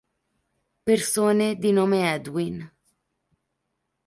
Persone di nome Edwin